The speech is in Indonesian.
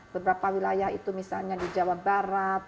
beberapa wilayah itu misalnya di jawa barat